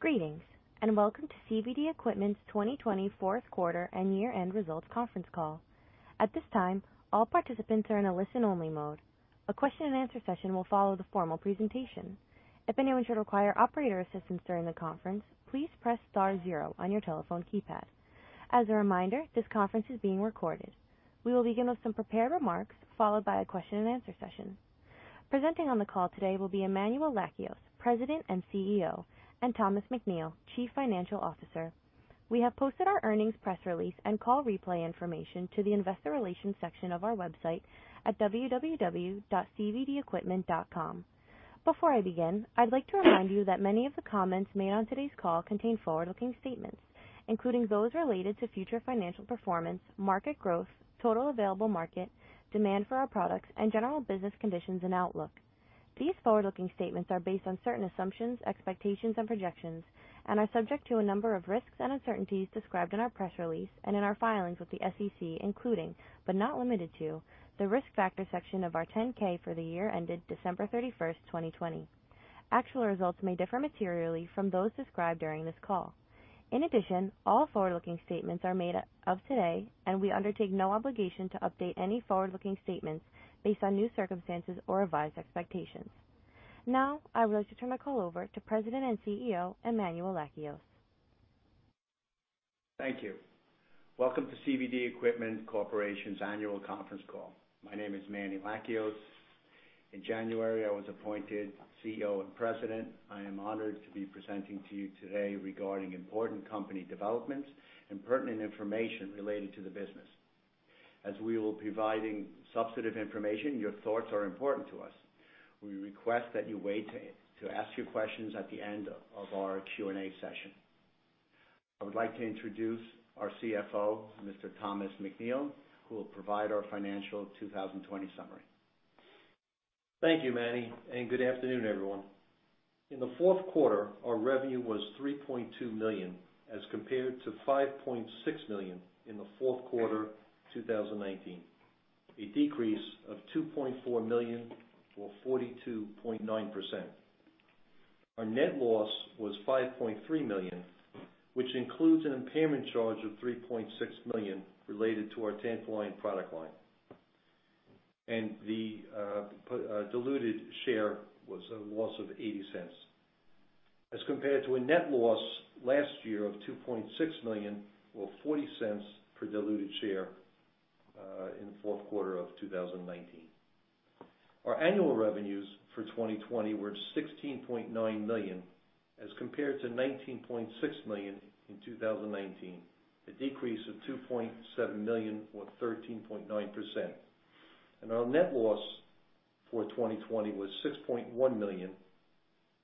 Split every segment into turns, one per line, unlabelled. Greetings, and welcome to CVD Equipment's 2020 fourth quarter and year-end results conference call. At this time, all participants are in a listen-only mode. A question and answer session will follow the formal presentation. If anyone should require operator assistance during the conference, please press star zero on your telephone keypad. As a reminder, this conference is being recorded. We will begin with some prepared remarks, followed by a question and answer session. Presenting on the call today will be Emmanuel Lakios, President and CEO, and Thomas McNeill, Chief Financial Officer. We have posted our earnings press release and call replay information to the Investor Relations section of our website at www.cvdequipment.com. Before I begin, I'd like to remind you that many of the comments made on today's call contain forward-looking statements, including those related to future financial performance, market growth, total available market, demand for our products, and general business conditions and outlook. These forward-looking statements are based on certain assumptions, expectations, and projections, and are subject to a number of risks and uncertainties described in our press release and in our filings with the SEC, including, but not limited to, the Risk Factors section of our 10-K for the year ended December 31st, 2020. Actual results may differ materially from those described during this call. In addition, all forward-looking statements are made as of today, and we undertake no obligation to update any forward-looking statements based on new circumstances or revised expectations. Now, I would like to turn the call over to President and CEO, Emmanuel Lakios.
Thank you. Welcome to CVD Equipment Corporation's Annual Conference call. My name is Manny Lakios. In January, I was appointed CEO and President. I am honored to be presenting to you today regarding important company developments and pertinent information related to the business. As we will be providing substantive information, your thoughts are important to us. We request that you wait to ask your questions at the end of our Q&A session. I would like to introduce our CFO, Mr. Thomas McNeill, who will provide our financial 2020 summary.
Thank you, Manny, and good afternoon, everyone. In the fourth quarter, our revenue was $3.2 million as compared to $5.6 million in the fourth quarter 2019, a decrease of $2.4 million or 42.9%. Our net loss was $5.3 million, which includes an impairment charge of $3.6 million related to our Tantaline product line. The diluted share was a loss of $0.80. As compared to a net loss last year of $2.6 million or $0.40 per diluted share in the fourth quarter of 2019. Our annual revenues for 2020 were $16.9 million as compared to $19.6 million in 2019, a decrease of $2.7 million or 13.9%. Our net loss for 2020 was $6.1 million,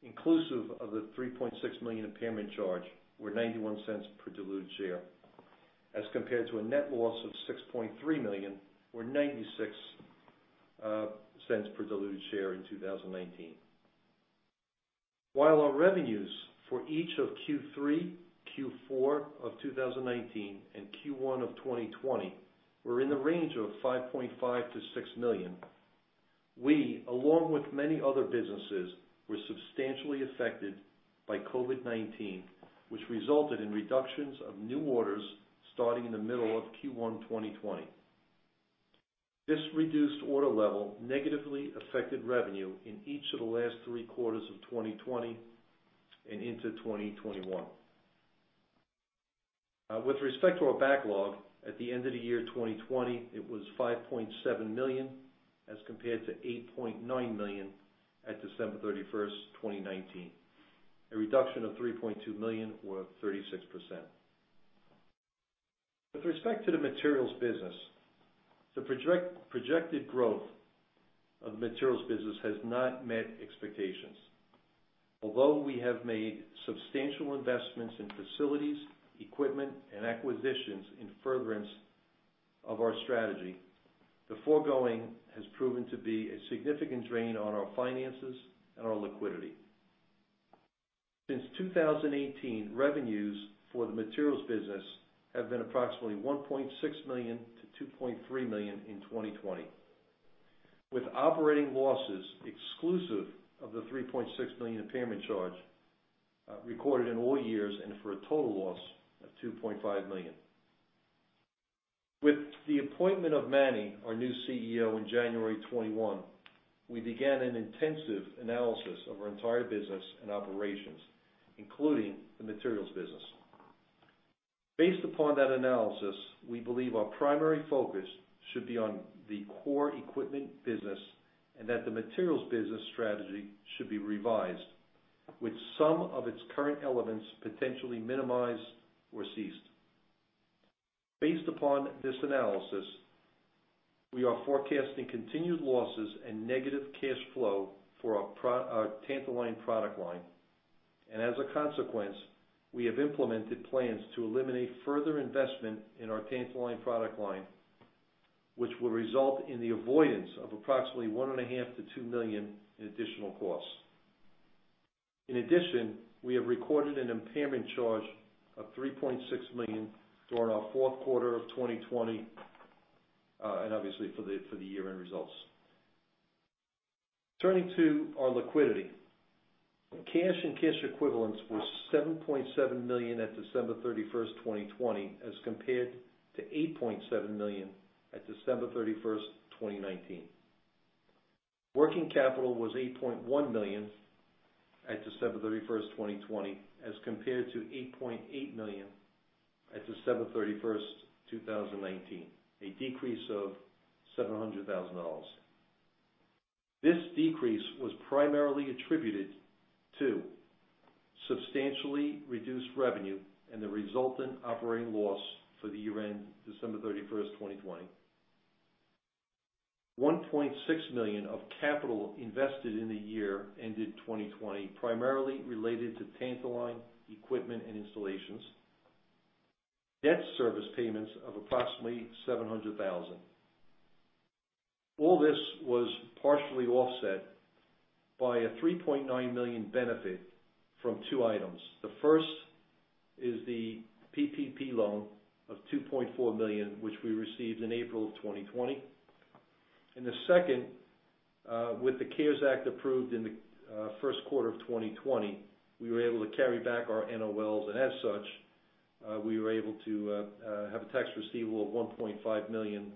inclusive of the $3.6 million impairment charge, or $0.91 per diluted share. As compared to a net loss of $6.3 million or $0.96 per diluted share in 2019. While our revenues for each of Q3, Q4 of 2019, and Q1 of 2020 were in the range of $5.5 million-$6 million, we, along with many other businesses, were substantially affected by COVID-19, which resulted in reductions of new orders starting in the middle of Q1 2020. This reduced order level negatively affected revenue in each of the last three quarters of 2020 and into 2021. With respect to our backlog, at the end of the year 2020, it was $5.7 million as compared to $8.9 million at December 31st, 2019, a reduction of $3.2 million or 36%. With respect to the materials business, the projected growth of the materials business has not met expectations. Although we have made substantial investments in facilities, equipment, and acquisitions in furtherance of our strategy, the foregoing has proven to be a significant drain on our finances and our liquidity. Since 2018, revenues for the materials business have been approximately $1.6 million to $2.3 million in 2020, with operating losses exclusive of the $3.6 million impairment charge recorded in all years and for a total loss of $2.5 million. With the appointment of Manny, our new CEO, in January 2021, we began an intensive analysis of our entire business and operations, including the materials business. Based upon that analysis, we believe our primary focus should be on the core equipment business and that the materials business strategy should be revised, with some of its current elements potentially minimized or ceased. Based upon this analysis, we are forecasting continued losses and negative cash flow for our Tantaline product line. As a consequence, we have implemented plans to eliminate further investment in our Tantaline product line, which will result in the avoidance of approximately $1.5 million to $2 million in additional costs. In addition, we have recorded an impairment charge of $3.6 million during our fourth quarter of 2020, and obviously for the year-end results. Turning to our liquidity. Cash and cash equivalents were $7.7 million at December 31st, 2020 as compared to $8.7 million at December 31st, 2019. Working capital was $8.1 million at December 31st, 2020 as compared to $8.8 million at December 31st, 2019, a decrease of $700,000. This decrease was primarily attributed to substantially reduced revenue and the resultant operating loss for the year ended December 31st, 2020. $1.6 million of capital invested in the year ended 2020, primarily related to Tantaline equipment and installations. Debt service payments of approximately $700,000. All this was partially offset by a $3.9 million benefit from two items. The first is the PPP loan of $2.4 million, which we received in April 2020. The second, with the CARES Act approved in the first quarter of 2020, we were able to carry back our NOLs, and as such, we were able to have a tax receivable of $1.5 million,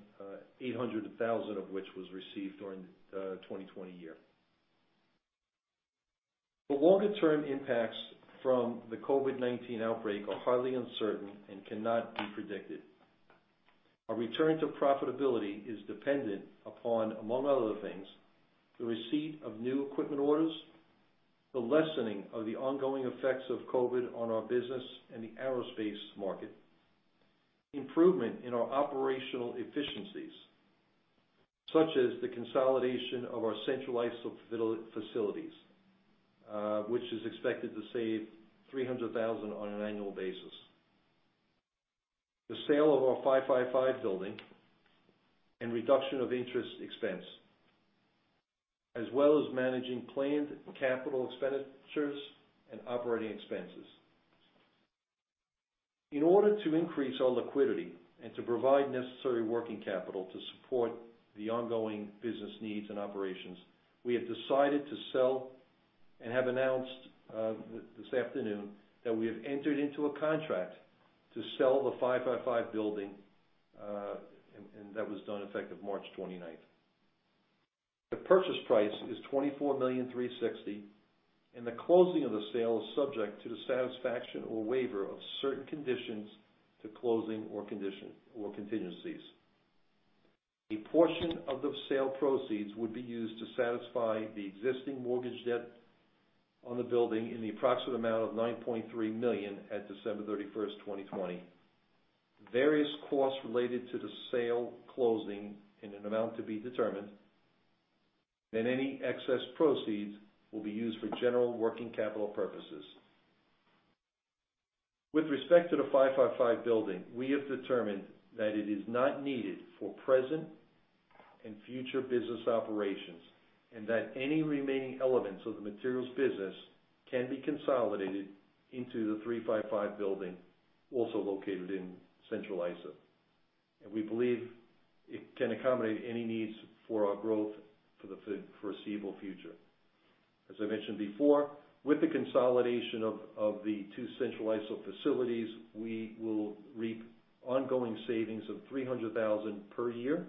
$800,000 of which was received during 2020 year. The longer-term impacts from the COVID-19 outbreak are highly uncertain and cannot be predicted. A return-to-profitability is dependent upon, among other things, the receipt of new equipment orders, the lessening of the ongoing effects of COVID on our business and the aerospace market, improvement in our operational efficiencies, such as the consolidation of our Central Islip facilities, which is expected to save $300,000 on an annual basis. The sale of our 555 building, and reduction of interest expense, as well as managing planned capital expenditures and operating expenses. In order to increase our liquidity and to provide necessary working capital to support the ongoing business needs and operations, we have decided to sell and have announced this afternoon that we have entered into a contract to sell the 555 building, and that was done effective March 29th. The purchase price is $24,000,360, and the closing of the sale is subject to the satisfaction or waiver of certain conditions to closing or contingencies. A portion of the sale proceeds would be used to satisfy the existing mortgage debt on the building in the approximate amount of $9.3 million at December 31st, 2020. Various costs related to the sale closing in an amount to be determined. Any excess proceeds will be used for general working capital purposes. With respect to the 555 building, we have determined that it is not needed for present and future business operations, and that any remaining elements of the materials business can be consolidated into the 355 building, also located in Central Islip, and we believe it can accommodate any needs for our growth for the foreseeable future. As I mentioned before, with the consolidation of the two Central Islip facilities, we will reap ongoing savings of $300,000 per year.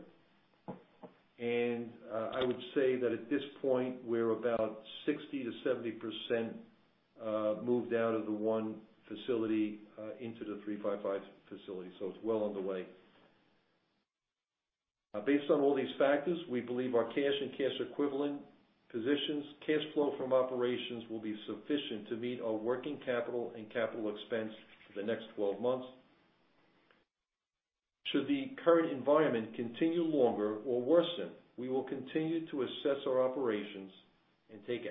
I would say that at this point, we're about 60%-70% moved out of the one facility into the 355 facility. It's well underway. Based on all these factors, we believe our cash and cash equivalent positions, cash flow from operations will be sufficient to meet our working capital and capital expense for the next 12 months. Should the current environment continue longer or worsen, we will continue to assess our operations and take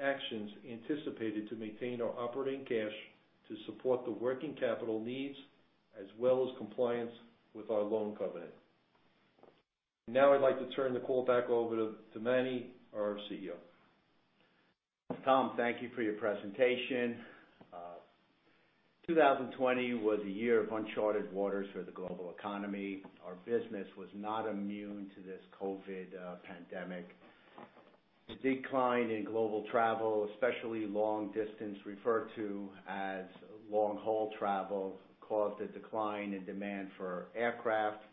actions anticipated to maintain our operating cash to support the working capital needs as well as compliance with our loan covenant. Now I'd like to turn the call back over to Manny, our CEO.
Tom, thank you for your presentation. 2020 was a year of uncharted waters for the global economy. Our business was not immune to this COVID-19 pandemic. The decline in global travel, especially long distance, referred to as long-haul travel, caused a decline in demand for aircraft,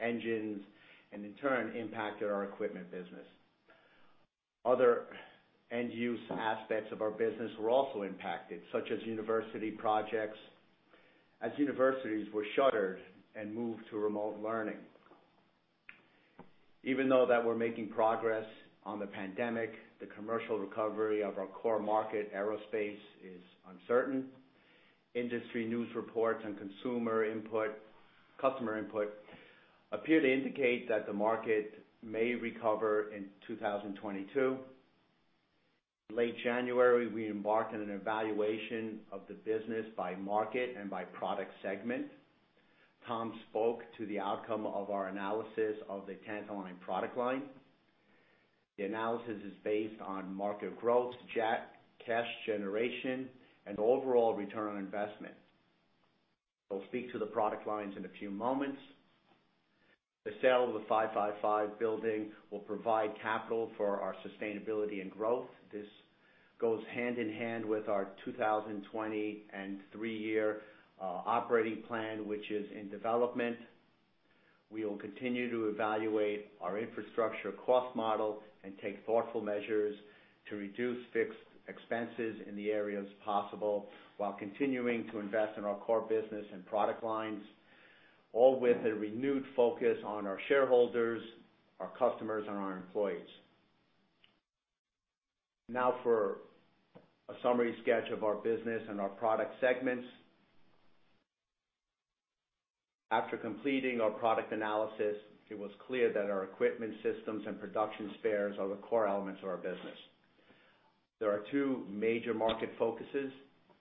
engines, and in turn impacted our equipment business. Other end-use aspects of our business were also impacted, such as university projects, as universities were shuttered and moved to remote learning. Even though that we're making progress on the pandemic, the commercial recovery of our core market, aerospace, is uncertain. Industry news reports and consumer input, customer input, appear to indicate that the market may recover in 2022. Late January, we embarked on an evaluation of the business by market and by product segment. Tom spoke to the outcome of our analysis of the Tantaline product line. The analysis is based on market growth, cash generation, and overall return on investment. I'll speak to the product lines in a few moments. The sale of the 555 building will provide capital for our sustainability and growth. This goes hand-in-hand with our 2023 year operating plan, which is in development. We will continue to evaluate our infrastructure cost model and take thoughtful measures to reduce fixed expenses in the areas possible, while continuing to invest in our core business and product lines, all with a renewed focus on our shareholders, our customers and our employees. For a summary sketch of our business and our product segments. After completing our product analysis, it was clear that our equipment systems and production spares are the core elements of our business. There are two major market focuses,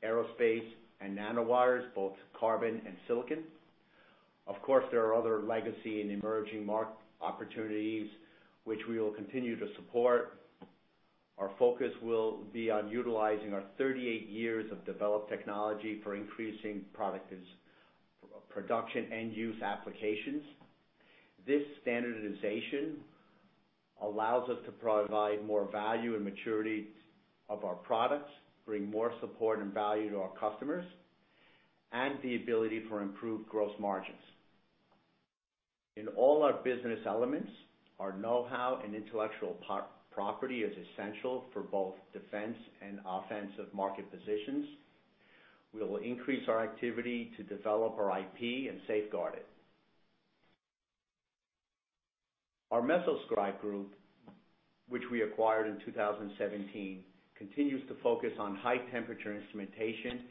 aerospace and nanowires, both carbon and silicon. Of course, there are other legacy and emerging market opportunities, which we will continue to support. Our focus will be on utilizing our 38 years of developed technology for increasing production end-use applications. This standardization allows us to provide more value and maturity of our products, bring more support and value to our customers, and the ability for improved gross margins. In all our business elements, our know-how and intellectual property is essential for both defense and offensive market positions. We will increase our activity to develop our IP and safeguard it. Our MesoScribe group, which we acquired in 2017, continues to focus on high-temperature instrumentation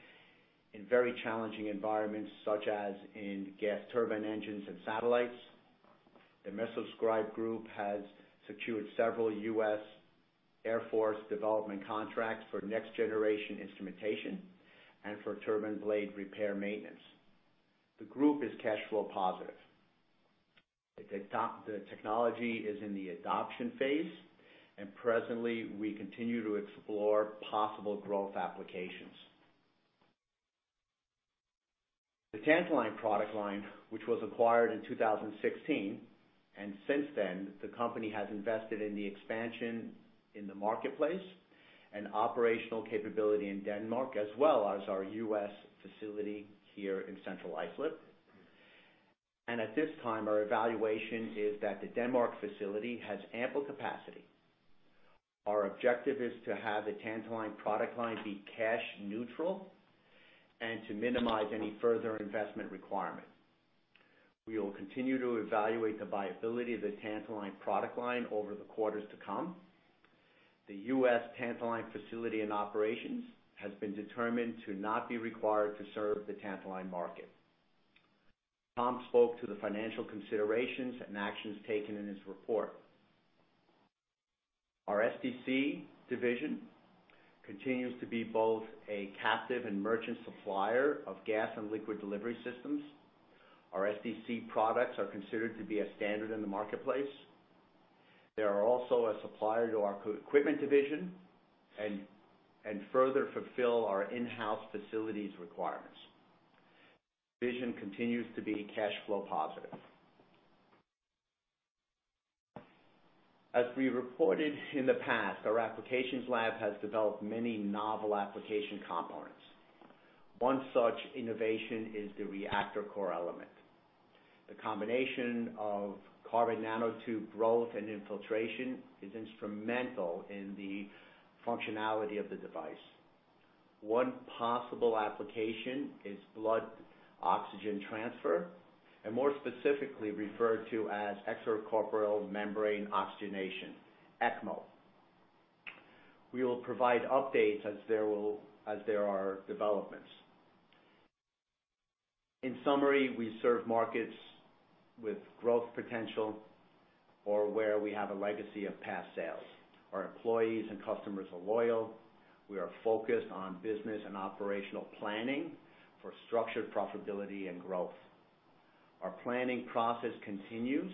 in very challenging environments, such as in gas turbine engines and satellites. The MesoScribe group has secured several U.S. Air Force development contracts for next-generation instrumentation and for turbine blade repair maintenance. The group is cash flow positive. The technology is in the adoption phase, presently, we continue to explore possible growth applications. The Tantaline product line, which was acquired in 2016, and since then, the company has invested in the expansion in the marketplace and operational capability in Denmark, as well as our U.S. facility here in Central Islip. At this time, our evaluation is that the Denmark facility has ample capacity. Our objective is to have the Tantaline product line be cash neutral and to minimize any further investment requirement. We will continue to evaluate the viability of the Tantaline product line over the quarters to come. The U.S. Tantaline facility and operations has been determined to not be required to serve the Tantaline market. Tom spoke to the financial considerations and actions taken in his report. Our SDC division continues to be both a captive and merchant supplier of gas and liquid delivery systems. Our SDC products are considered to be a standard in the marketplace. They are also a supplier to our equipment division and further fulfill our in-house facilities requirements. Division continues to be cash flow positive. As we reported in the past, our applications lab has developed many novel application components. One such innovation is the reactor core element. The combination of carbon nanotube growth and infiltration is instrumental in the functionality of the device. One possible application is blood oxygen transfer, and more specifically referred to as extracorporeal membrane oxygenation, ECMO. We will provide updates as there are developments. In summary, we serve markets with growth potential or where we have a legacy of past sales. Our employees and customers are loyal. We are focused on business and operational planning for structured profitability and growth. Our planning process continues,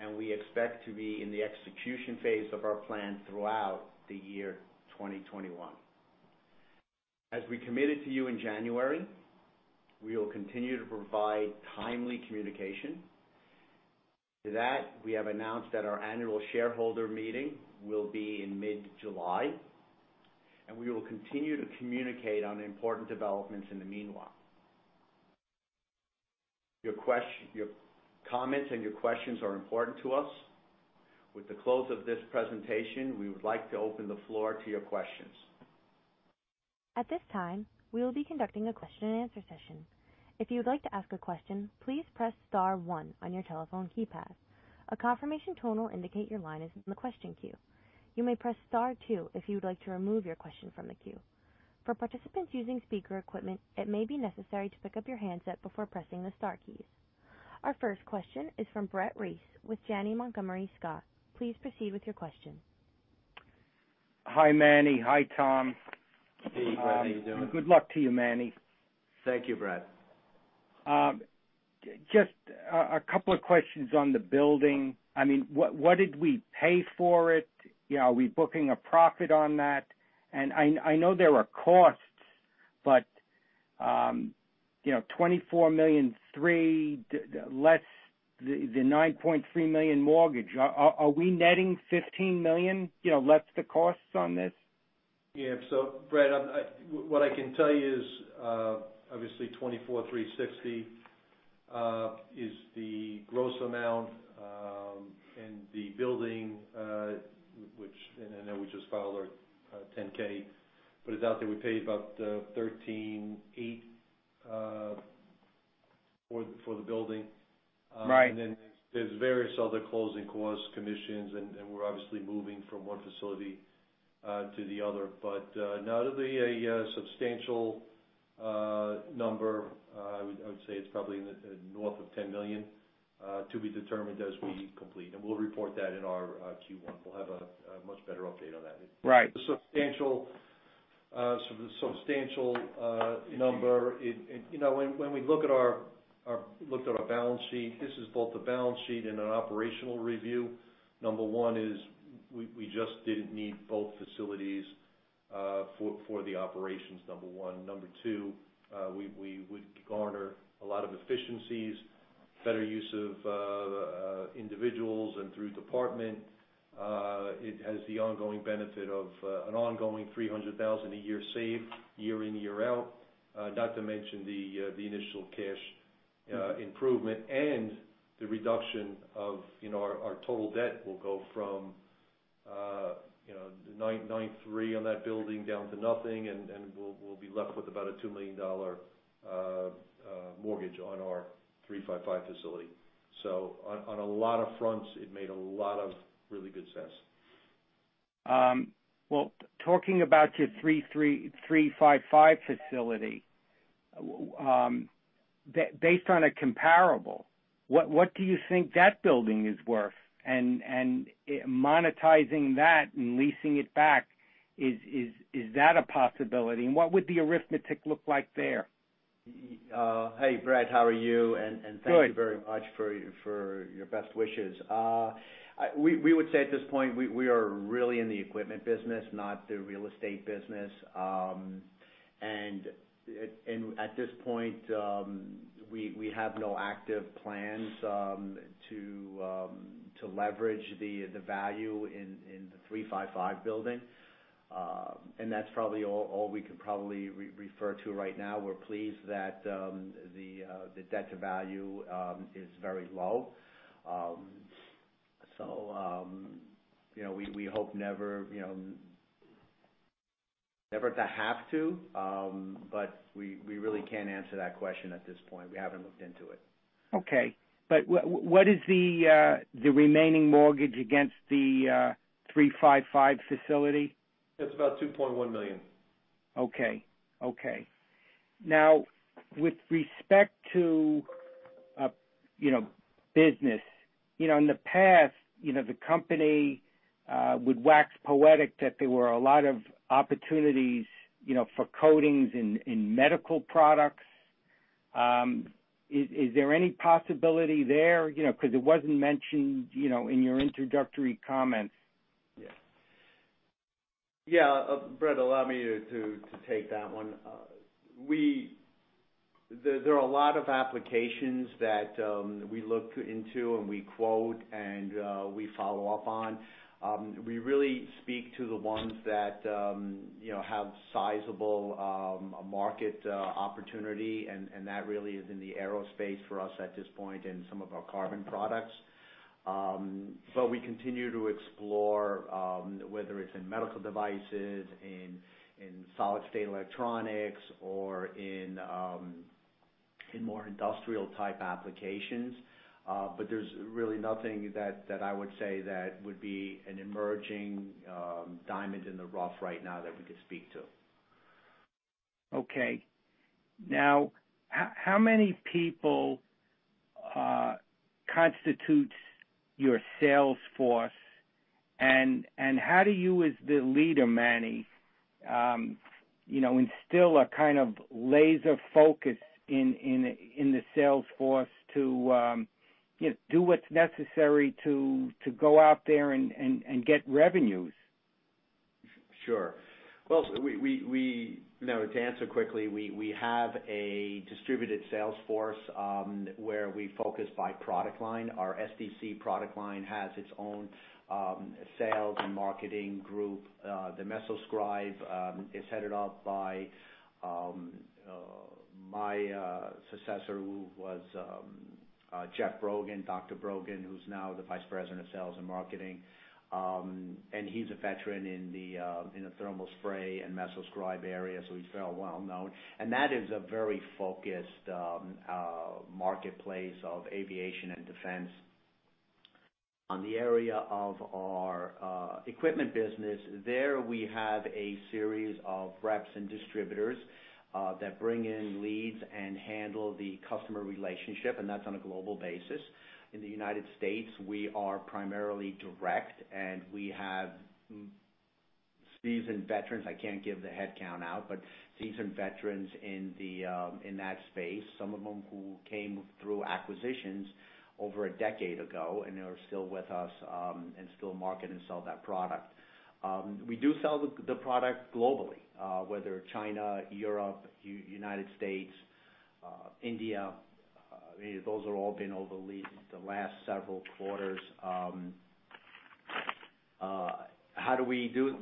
and we expect to be in the execution phase of our plan throughout the year 2021. As we committed to you in January, we will continue to provide timely communication. To that, we have announced that our Annual Shareholder Meeting will be in mid-July, and we will continue to communicate on important developments in the meanwhile. Your comments and your questions are important to us. With the close of this presentation, we would like to open the floor to your questions.
At this time we will be conducting a question-and-answer session. If you would like to ask a question please press star one on your telephone keypad. A confirmation tone will indicate your line is in the question queue. You may press star two if you would like to remove your question from the queue. For participants using speaker equipment it maybe necessary to pick up your handset before pressing the star key. Our first question is from Brett Reiss with Janney Montgomery Scott. Please proceed with your question.
Hi, Manny. Hi, Tom.
Hey, Brett. How are you doing?
Good luck to you, Manny.
Thank you, Brett.
Just a couple of questions on the building. What did we pay for it? Are we booking a profit on that? I know there are costs, but $24.3 million less the $9.3 million mortgage, are we netting $15 million less the costs on this?
Yeah. Brett, what I can tell you is, obviously $24.360 million is the gross amount. The building, which I know we just filed our 10-K, but it's out there, we paid about $13.8 million for the building.
Right.
There's various other closing costs, commissions, and we're obviously moving from one facility to the other. Not a substantial number. I would say it's probably north of $10 million, to be determined as we complete. We'll report that in our Q1. We'll have a much better update on that.
Right.
The substantial number. When we looked at our balance sheet, this is both a balance sheet and an operational review. Number one is we just didn't need both facilities for the operations. Number one. Number two, we would garner a lot of efficiencies, better use of individuals and through department. It has the ongoing benefit of an ongoing $300,000 a year save year-in, year-out, not to mention the initial cash improvement and the reduction of our total debt will go from $9.3 million on that building down to nothing, and we'll be left with about a $2 million mortgage on our 355 facility. On a lot of fronts, it made a lot of really good sense.
Well, talking about your 355 facility, based on a comparable, what do you think that building is worth? Monetizing that and leasing it back, is that a possibility? What would the arithmetic look like there?
Hey, Brett, how are you?
Good.
Thank you very much for your best wishes. We would say at this point, we are really in the equipment business, not the real estate business. At this point, we have no active plans to leverage the value in the 355 building. That's probably all we can probably refer to right now. We're pleased that the debt-to-value is very low. We hope never to have to, but we really can't answer that question at this point. We haven't looked into it.
Okay. What is the remaining mortgage against the 355 facility?
It's about $2.1 million.
Okay. Now, with respect to business, in the past, the company would wax poetic that there were a lot of opportunities for coatings in medical products. Is there any possibility there? Because it wasn't mentioned in your introductory comments.
Brett, allow me to take that one. There are a lot of applications that we look into and we quote and we follow up on. We really speak to the ones that have sizable market opportunity, and that really is in the aerospace for us at this point and some of our carbon products. We continue to explore, whether it's in medical devices, in solid state electronics or in more industrial type applications. There's really nothing that I would say that would be an emerging diamond in the rough right now that we could speak to.
Okay. Now, how many people constitute your sales force? How do you as the leader, Manny, instill a kind of laser focus in the sales force to do what's necessary to go out there and get revenues?
Sure. Well, to answer quickly, we have a distributed sales force, where we focus by product line. Our SDC product line has its own sales and marketing group. The MesoScribe is headed up by my successor, who was Jeff Brogan, Dr. Brogan, who's now the Vice President of Sales and Marketing. He's a veteran in the thermal spray and MesoScribe area, so he's very well known. That is a very focused marketplace of aviation and defense. On the area of our Equipment business, there we have a series of reps and distributors that bring in leads and handle the customer relationship, and that's on a global basis. In the United States, we are primarily direct, and we have seasoned veterans, I can't give the head count out, but seasoned veterans in that space, some of them who came through acquisitions over a decade ago, and they are still with us, and still market and sell that product. We do sell the product globally, whether China, Europe, United States, India. Those have all been over the last several quarters. How do we do it?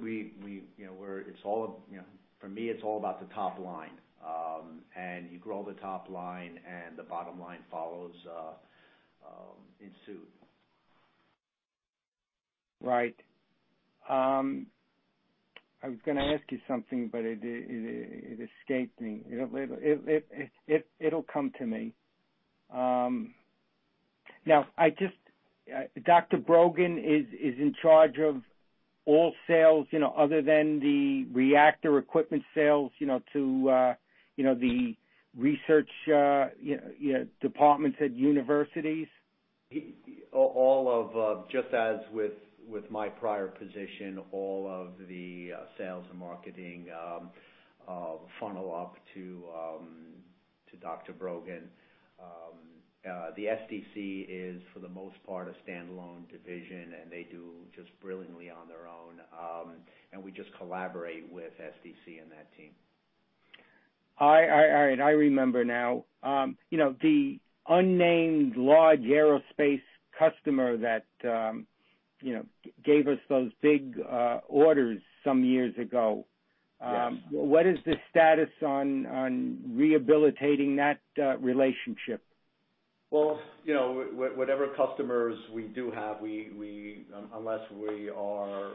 For me, it's all about the top line. You grow the top line, and the bottom line follows in suit.
Right. I was going to ask you something, but it escaped me. It'll come to me. Dr. Brogan is in charge of all sales, other than the reactor equipment sales, to the research departments at universities?
Just as with my prior position, all of the sales and marketing funnel up to Dr. Brogan. The SDC is, for the most part, a standalone division, and they do just brilliantly on their own. We just collaborate with SDC and that team.
All right. I remember now. The unnamed large aerospace customer that gave us those big orders some years ago.
Yes.
What is the status on rehabilitating that relationship?
Well, whatever customers we do have, unless we are,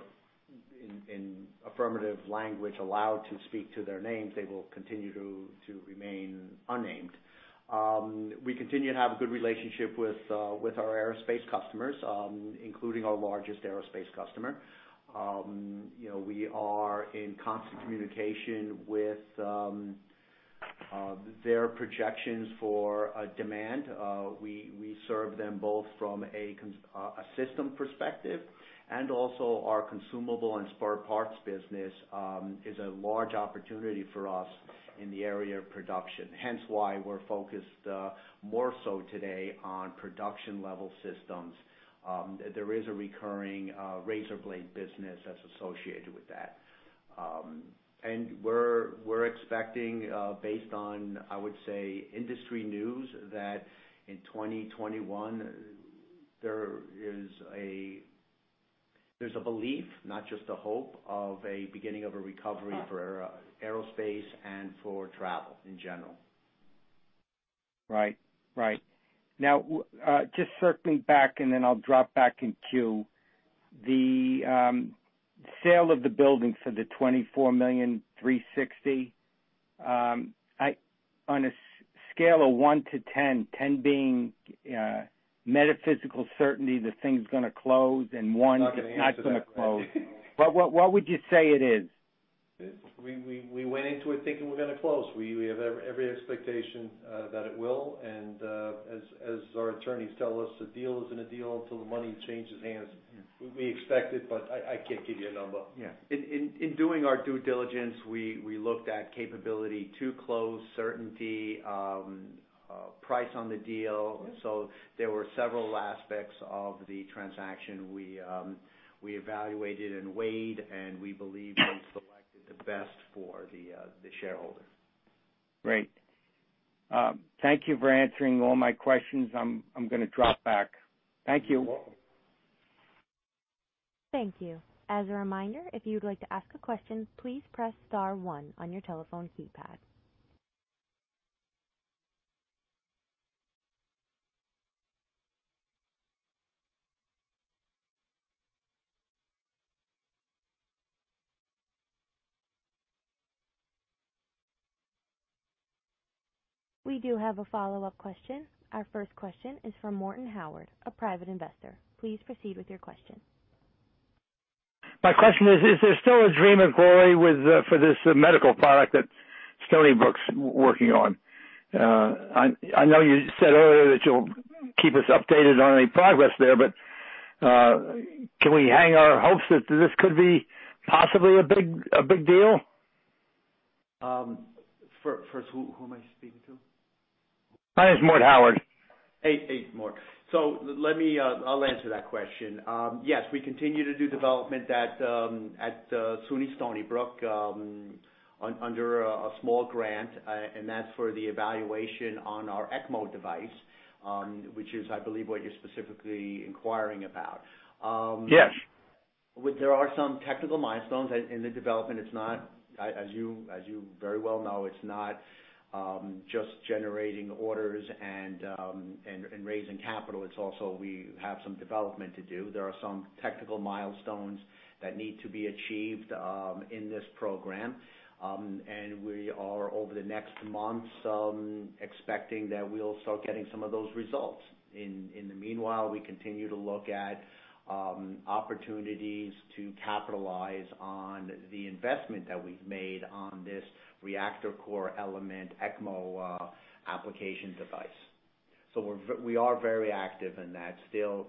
in affirmative language, allowed to speak to their names, they will continue to remain unnamed. We continue to have a good relationship with our aerospace customers, including our largest aerospace customer. We are in constant communication with their projections for demand. We serve them both from a system perspective and also our consumable and spare parts business is a large opportunity for us in the area of production. Hence why we're focused more so today on production level systems. There is a recurring razor blade business that's associated with that. We're expecting, based on, I would say, industry news, that in 2021, there's a belief, not just a hope, of a beginning of a recovery for aerospace and for travel in general.
Right. Just circle me back, and then I'll drop back in queue. The sale of the building for the $24,000,360. On a scale of 1 to 10 being metaphysical certainty the thing's going to close, and 1-
I'm not going to answer that.
it's not going to close. What would you say it is?
We went into it thinking we're going to close. We have every expectation that it will, and as our attorneys tell us, the deal isn't a deal until the money changes hands. We expect it, but I can't give you a number.
Yeah.
In doing our due diligence, we looked at capability to close, certainty, price on the deal.
Yeah.
There were several aspects of the transaction we evaluated and weighed, and we believe we selected the best for the shareholders.
Great. Thank you for answering all my questions. I'm going to drop back. Thank you.
You're welcome.
Thank you. As a reminder, if you would like to ask a question, please press star one on your telephone keypad. We do have a follow-up question. Our first question is from Morton Howard, a Private Investor. Please proceed with your question.
My question is there still a dream and glory for this medical product that Stony Brook's working on? I know you said earlier that you'll keep us updated on any progress there, but can we hang our hopes that this could be possibly a big deal?
First, who am I speaking to?
My name's Mort Howard.
Hey, Mort. I'll answer that question. Yes, we continue to do development at SUNY Stony Brook under a small grant, and that's for the evaluation on our ECMO device, which is, I believe, what you're specifically inquiring about.
Yes.
There are some technical milestones in the development. As you very well know, it's not just generating orders and raising capital. It's also we have some development to do. There are some technical milestones that need to be achieved in this program. We are, over the next months, expecting that we'll start getting some of those results. In the meanwhile, we continue to look at opportunities to capitalize on the investment that we've made on this reactor core element ECMO application device. We are very active in that still,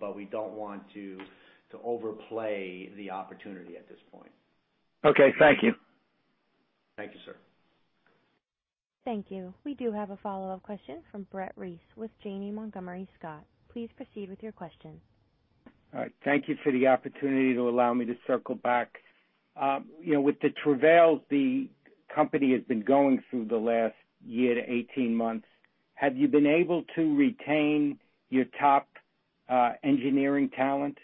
but we don't want to overplay the opportunity at this point.
Okay, thank you.
Thank you, sir.
Thank you. We do have a follow-up question from Brett Reiss with Janney Montgomery Scott. Please proceed with your question.
All right. Thank you for the opportunity to allow me to circle back. With the travails the company has been going through the last year to 18 months, have you been able to retain your top engineering talent?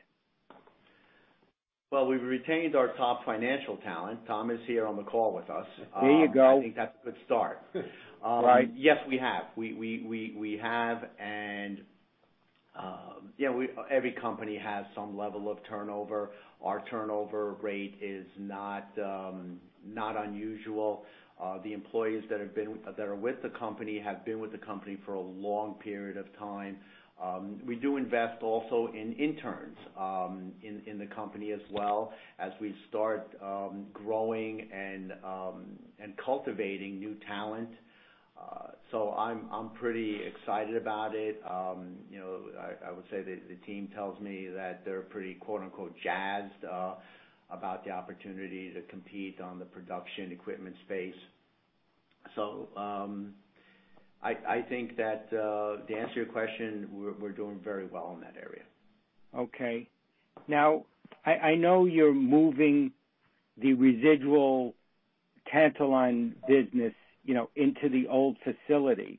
Well, we've retained our top financial talent. Tom is here on the call with us.
There you go.
I think that's a good start.
Right.
Yes, we have. We have and every company has some level of turnover. Our turnover rate is not unusual. The employees that are with the company have been with the company for a long period of time. We do invest also in interns in the company as well, as we start growing and cultivating new talent. I'm pretty excited about it. I would say the team tells me that they're pretty, quote-unquote, jazzed about the opportunity to compete on the production equipment space. I think that to answer your question, we're doing very well in that area.
Okay. I know you're moving the residual Tantaline business into the old facility,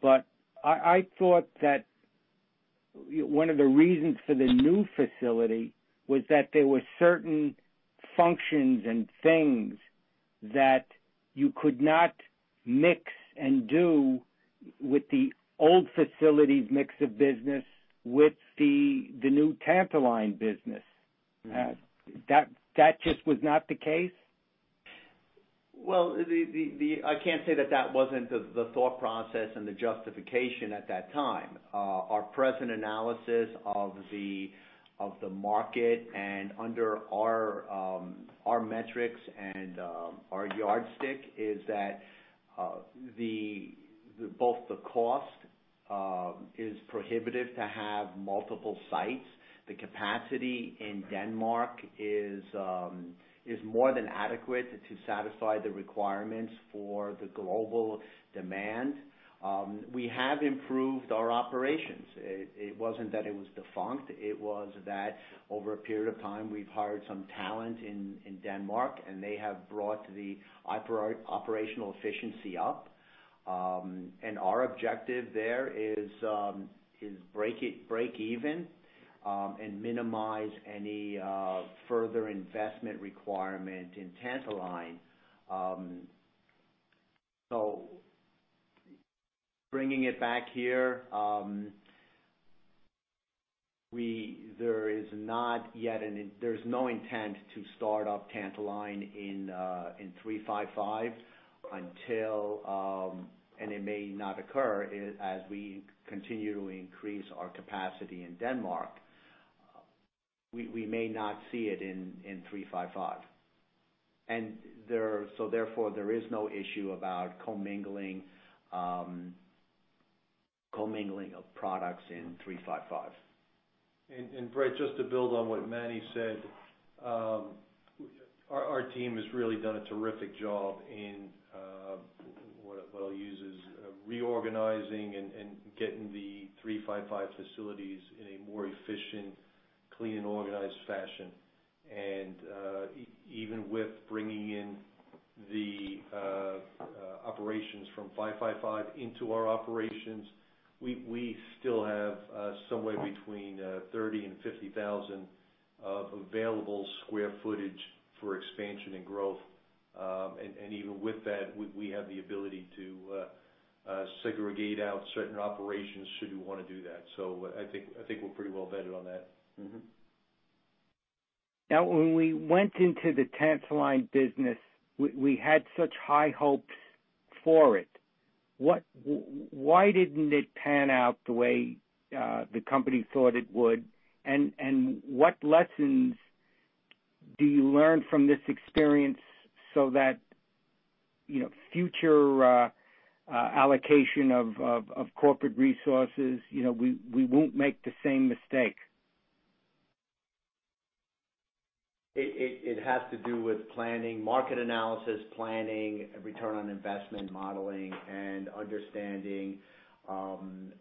but I thought that one of the reasons for the new facility was that there were certain functions and things that you could not mix and do with the old facility's mix of business with the new Tantaline business. That just was not the case?
Well, I can't say that that wasn't the thought process and the justification at that time. Our present analysis of the market and under our metrics and our yardstick is that both the cost is prohibitive to have multiple sites. The capacity in Denmark is more than adequate to satisfy the requirements for the global demand. We have improved our operations. It wasn't that it was defunct, it was that over a period of time, we've hired some talent in Denmark, and they have brought the operational efficiency up. Our objective there is break even, and minimize any further investment requirement in Tantaline. Bringing it back here, there's no intent to start up Tantaline in 355, and it may not occur as we continue to increase our capacity in Denmark. We may not see it in 355. Therefore, there is no issue about commingling of products in 355.
Brett, just to build on what Manny said. Our team has really done a terrific job in, what I'll use as reorganizing and getting the 355 facilities in a more efficient, clean, organized fashion. Even with bringing in the operations from 555 into our operations, we still have somewhere between 30,000 and 50,000 of available square footage for expansion and growth. Even with that, we have the ability to segregate out certain operations should we want to do that. I think we're pretty well vetted on that.
When we went into the Tantaline business, we had such high hopes for it. Why didn't it pan out the way the company thought it would? What lessons do you learn from this experience so that future allocation of corporate resources, we won't make the same mistake?
It has to do with planning, market analysis planning, return on investment modeling, and understanding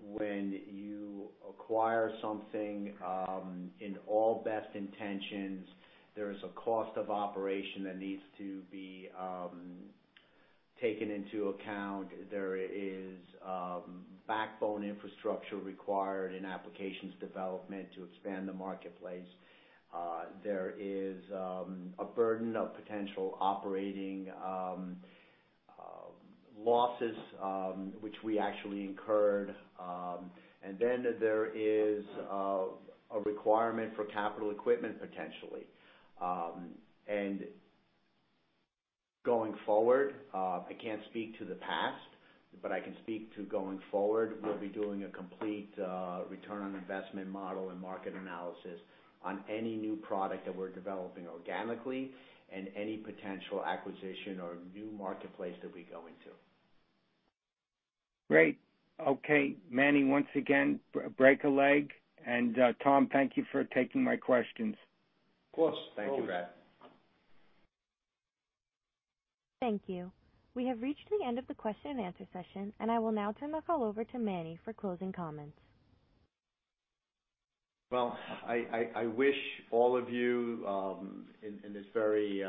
when you acquire something, in all best intentions, there is a cost of operation that needs to be taken into account. There is backbone infrastructure required in applications development to expand the marketplace. There is a burden of potential operating losses, which we actually incurred. Then there is a requirement for capital equipment, potentially. Going forward, I can't speak to the past, but I can speak to going forward. We'll be doing a complete return on investment model and market analysis on any new product that we're developing organically and any potential acquisition or new marketplace that we go into.
Great. Okay. Manny, once again, break a leg. Tom, thank you for taking my questions.
Of course.
Thank you, Brett.
Thank you. We have reached the end of the question-and-answer session. I will now turn the call over to Manny for closing comments.
Well, I wish all of you, in this very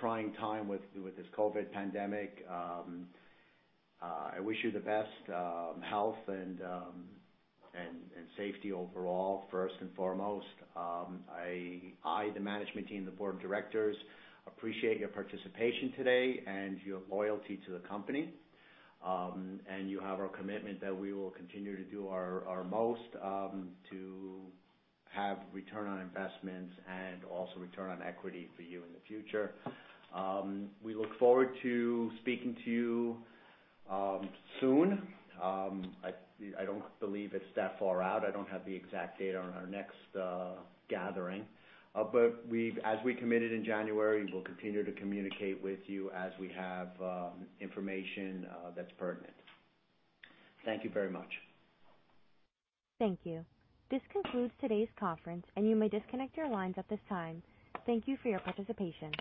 trying time with this COVID pandemic, I wish you the best health and safety overall, first and foremost. I, the Management team, the Board of Directors, appreciate your participation today and your loyalty to the company. You have our commitment that we will continue to do our most to have return on investments and also return on equity for you in the future. We look forward to speaking to you soon. I don't believe it's that far out. I don't have the exact date on our next gathering. As we committed in January, we'll continue to communicate with you as we have information that's pertinent. Thank you very much.
Thank you. This concludes today's conference. You may disconnect your lines at this time. Thank you for your participation.